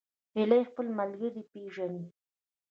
هیلۍ خپل ملګري پیژني